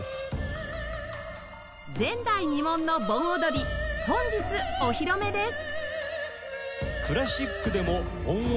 前代未聞の盆踊り本日お披露目です